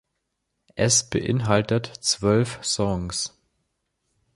Es beinhaltet zwölf Songs.